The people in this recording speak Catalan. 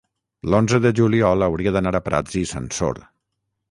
l'onze de juliol hauria d'anar a Prats i Sansor.